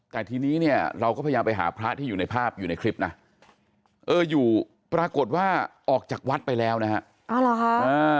แต่ทีนี้เนี่ยเราก็พยายามไปหาพระที่อยู่ในภาพอยู่ในคลิปนะเอออยู่ปรากฏว่าออกจากวัดไปแล้วนะฮะ